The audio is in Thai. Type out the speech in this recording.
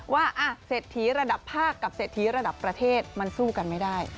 เศรษฐีระดับภาคกับเศรษฐีระดับประเทศมันสู้กันไม่ได้